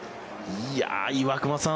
岩隈さん